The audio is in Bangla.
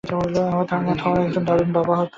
আমার ধারণা থর একজন দারুণ বাবা হত।